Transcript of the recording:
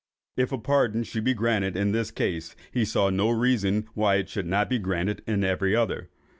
If a pardon should be granted in this case, he saw no reason why it should not be granted in every other.